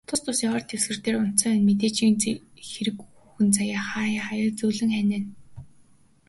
Тус тусын ор дэвсгэр дээр унтсан хойно, мэдээжийн хэрэг хүүхэн хааяа хааяа зөөлөн ханиана.